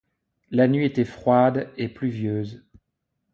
La nuit était froide et pluvieuse.